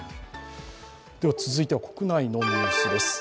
続いては国内のニュースです。